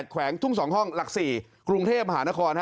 แขวงทุ่ง๒ห้องหลัก๔กรุงเทพมหานคร